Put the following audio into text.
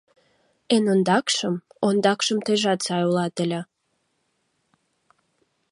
Эн окдакшым-ондакшым тыйжат сай улат ыле.